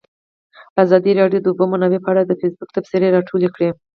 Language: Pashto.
ازادي راډیو د د اوبو منابع په اړه د فیسبوک تبصرې راټولې کړي.